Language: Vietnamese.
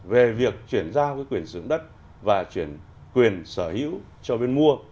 về việc chuyển giao quyền sử dụng đất và chuyển quyền sở hữu cho bên mua